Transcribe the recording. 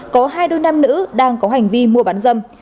có hai đôi nam nữ đang có hành vi mua bán dâm